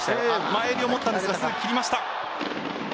前襟を取ったんですがすぐ切りました。